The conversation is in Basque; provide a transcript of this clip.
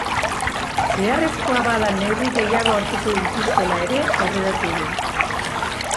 Beharrezkoa bada neurri gehiago hartuko dituztela ere aurreratu du.